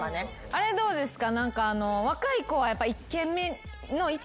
あれどうですか？